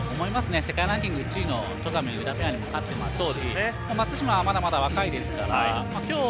世界ランキング１位の戸上、宇田ペアに勝ってますし松島はまだまだ若いですし。